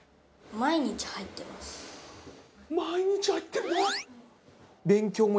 毎日入ってるの？